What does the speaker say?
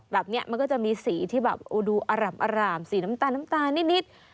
แบบนี้มันก็จะมีสีที่ดูอร่ำสีน้ำตาลนิด